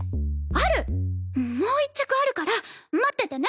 もう１着あるから待っててね。